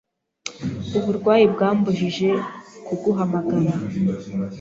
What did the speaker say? Uburwayi bwambujije kuguhamagara.